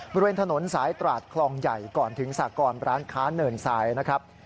บริเวณถนนสายตราดคลองใหญ่ก่อนถึงสากรร้านค้าเนินทรายนะครับ